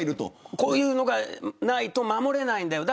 こういうのがないと守れないんだよと。